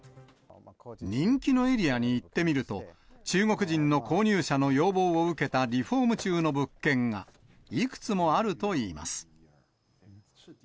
人気のエリアに行ってみると、中国人の購入者の要望を受けたリフォーム中の物件がいくつもあるといいます。